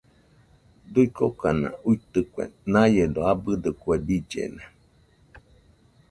Kuikokana uitɨkue, naiedo abɨdo kue billena